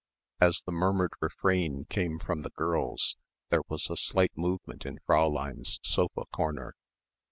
As the murmured refrain came from the girls there was a slight movement in Fräulein's sofa corner.